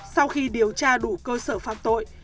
sau khi điều tra đủ cơ sở phạm tội